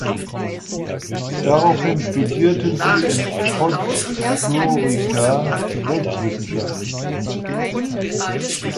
Daraufhin studierte sie in Podgorica Rechtswissenschaften.